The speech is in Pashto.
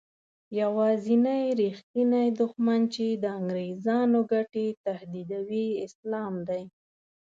یوازینی رښتینی دښمن چې د انګریزانو ګټې تهدیدوي اسلام دی.